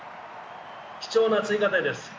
貴重な追加点です。